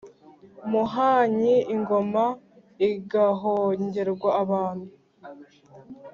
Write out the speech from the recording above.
muhanyi, ingoma igahongerwa abantu.